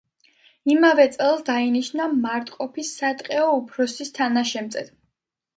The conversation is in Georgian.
იმავე წელს დაინიშნა მარტყოფის სატყეოს უფროსის თანაშემწედ.